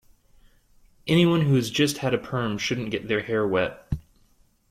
Anyone who has just had a perm shouldn't get their hair wet.